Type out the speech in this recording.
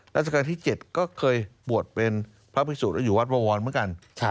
รัชการที่๗ก็เคยบวชเป็นพระภิกษุอยู่วัดบวรนิเวศเมื่อกัน